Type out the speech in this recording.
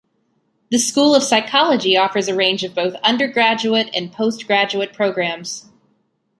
The School of Psychology offers a range of both undergraduate and postgraduate programmes.